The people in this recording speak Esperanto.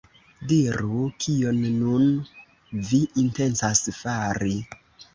Diru, kion nun vi intencas fari?